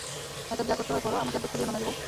অতএব যা করতে হয় করো, আমাকে আর দুঃখ দিয়ো না মেজোবউ।